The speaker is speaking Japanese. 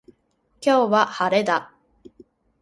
今日は晴れだ。